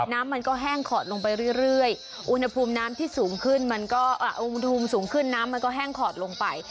น้ำมันก็แห้งขอดลงไปเรื่อยอุณหภูมิน้ำที่สูงขึ้นน้ำมันก็แห้งขอดลงไป